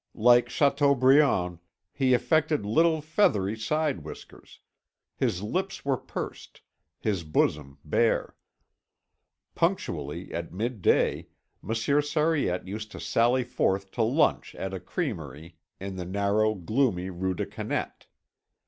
Like Chateaubriand, he affected little feathery side whiskers. His lips were pursed, his bosom bare. Punctually at midday Monsieur Sariette used to sally forth to lunch at a crèmerie in the narrow gloomy Rue des Canettes.